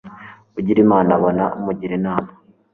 ugira imana abona umugira inama